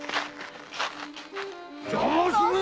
邪魔するな！